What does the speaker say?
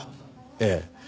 ええ。